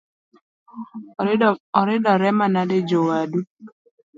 Oridore manade jowadu?